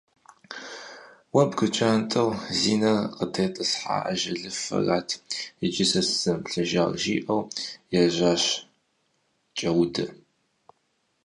Уэ бгы кӀантӀэу зи нэр къытетӀысхьэжа ажалыфэрат иджы сэ сызымыплъыжар! - жиӀэурэ ежьэжащ КӀэудэ.